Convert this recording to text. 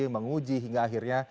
menguji hingga akhirnya